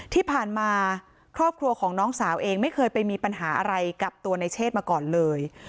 ที่ผ่านมาครอบครัวของน้องสาวเองไม่เคยไปมีปัญหาอะไรกับตัวในเชศมาก่อนเลย